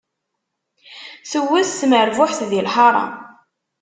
Tewwet tmerbuḥt di lḥaṛa.